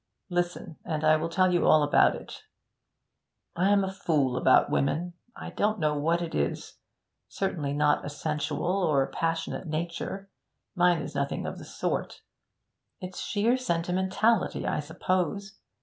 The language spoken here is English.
Listen, and I will tell you all about it. I am a fool about women. I don't know what it is certainly not a sensual or passionate nature; mine is nothing of the sort. It's sheer sentimentality, I suppose.